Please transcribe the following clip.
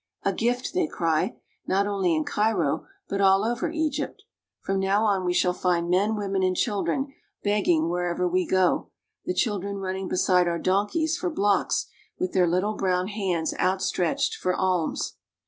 A gift!" they cry, not only in Cairo, but all over Egypt. From now on we shall find men, women, and children begging wherever we go, the children running beside our donkeys for blocks with their little brown hands outstretched for alms.